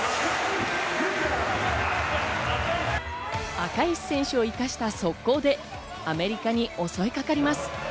赤石選手を生かした速攻でアメリカに襲いかかります。